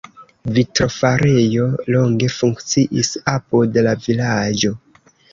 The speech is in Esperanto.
Vitrofarejo longe funkciis apud la vilaĝo.